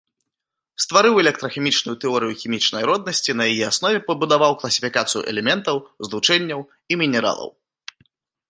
Стварыў электрахімічную тэорыю хімічнай роднасці, на яе аснове пабудаваў класіфікацыю элементаў, злучэнняў і мінералаў.